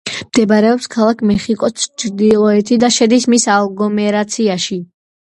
მდებარეობს ქალაქ მეხიკოს ჩრდილოეთით და შედის მის აგლომერაციაში.